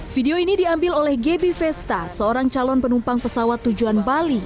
video ini diambil oleh geby vesta seorang calon penumpang pesawat tujuan bali